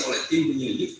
oleh tim penyelidik